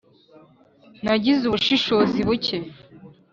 Nagize ubushishozi buke